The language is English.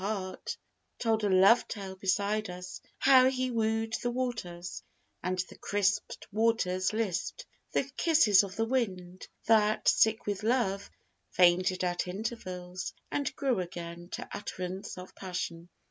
The wind Told a love tale beside us, how he woo'd The waters, and the crisp'd waters lisp'd The kisses of the wind, that, sick with love, Fainted at intervals, and grew again To utterance of passion.